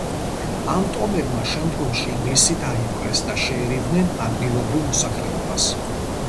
ამ ტომებმა შემდგომში ინგლისი დაიპყრეს და შეერივნენ ადგილობრივ მოსახლეობას.